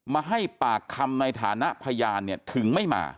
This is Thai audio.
มาให้ปากคำในฐานะพยานถึงไม่มา